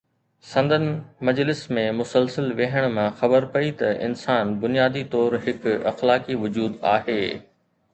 سندن مجلس ۾ مسلسل ويهڻ مان خبر پئي ته انسان بنيادي طور هڪ اخلاقي وجود آهي.